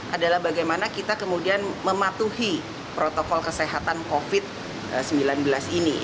adalah bagaimana kita kemudian mematuhi protokol kesehatan covid sembilan belas ini